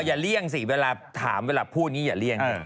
เลี่ยงสิเวลาถามเวลาพูดนี้อย่าเลี่ยง